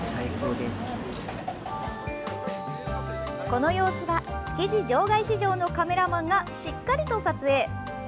この様子は築地場外市場のカメラマンがしっかりと撮影。